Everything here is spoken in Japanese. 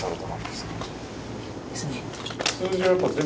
ですね。